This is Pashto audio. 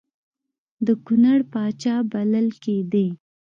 د کنړ پاچا بلل کېدی.